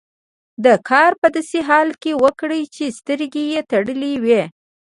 دا کار په داسې حال کې وکړئ چې سترګې یې تړلې وي.